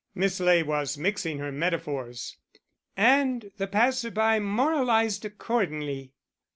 Miss Ley was mixing her metaphors. "And the passer by moralised accordingly.